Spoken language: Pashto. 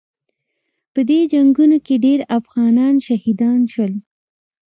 په دې جنګونو کې ډېر افغانان شهیدان شول.